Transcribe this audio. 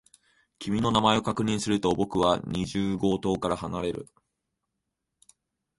君の名前を確認すると、僕は二十号棟から離れる。